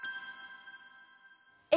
え！